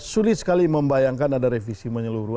sulit sekali membayangkan ada revisi menyeluruh